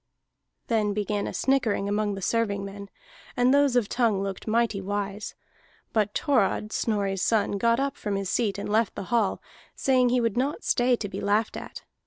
Then began a snickering among the servingmen, and those of Tongue looked mighty wise. But Thorod, Snorri's son, got up from his seat and left the hall, saying he would not stay to be laughed at.